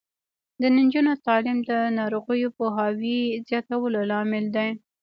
د نجونو تعلیم د ناروغیو پوهاوي زیاتولو لامل دی.